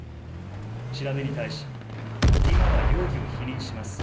調べに対し、今は容疑を否認します。